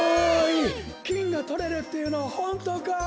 きんがとれるっていうのはホントかい？